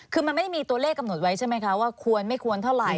คือมันไม่ได้มีตัวเลขกำหนดไว้ใช่ไหมคะว่าควรไม่ควรเท่าไหร่